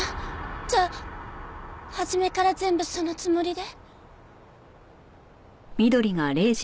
じゃあ初めから全部そのつもりで？